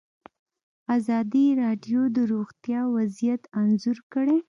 ازادي راډیو د روغتیا وضعیت انځور کړی.